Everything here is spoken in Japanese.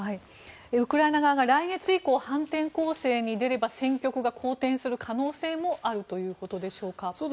ウクライナ側が来月以降反転攻勢に出れば戦局が好転する可能性もあるということでしょうか。